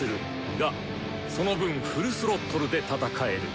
がその分フルスロットルで戦える。